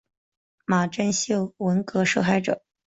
马正秀文革受害者。